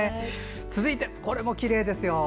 続いて、これもきれいですよ。